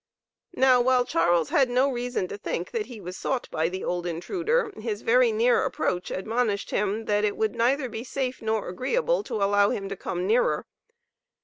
Now while Charles had no reason to think that he was sought by the old intruder, his very near approach admonished him that it would neither be safe nor agreeable to allow him to come nearer.